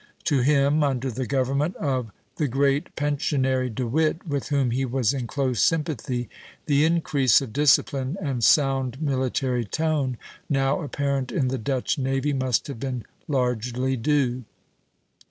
To him, under the government of the great Pensionary De Witt, with whom he was in close sympathy, the increase of discipline and sound military tone now apparent in the Dutch navy must have been largely due.